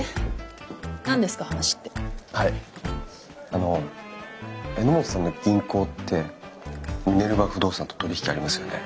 あの榎本さんの銀行ってミネルヴァ不動産と取り引きありますよね？